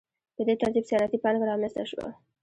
په دې ترتیب صنعتي پانګه رامنځته شوه.